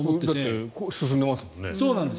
だって進んでますもんね。